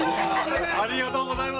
ありがとうございます。